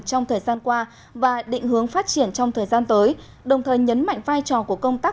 trong thời gian qua và định hướng phát triển trong thời gian tới đồng thời nhấn mạnh vai trò của công tác